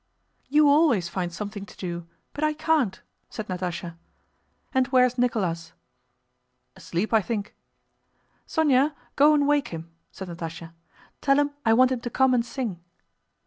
"You always find something to do, but I can't," said Natásha. "And where's Nicholas?" "Asleep, I think." "Sónya, go and wake him," said Natásha. "Tell him I want him to come and sing."